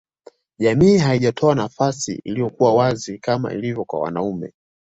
Jamii haijatoa nafasi iliyokuwa wazi kama ilivyo kwa wanaume